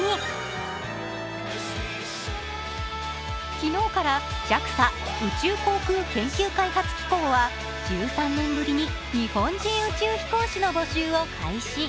昨日からＪＡＸＡ＝宇宙航空研究開発機構は１３年ぶりに日本人宇宙飛行士の募集を開始。